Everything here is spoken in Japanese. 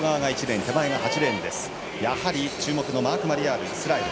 やはり、注目のマーク・マリヤール、イスラエル。